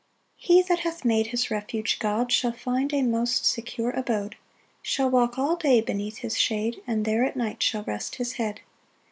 1 He that hath made his refuge God, Shall find a most secure abode, Shall walk all day beneath his shade, And there at night shall rest his head.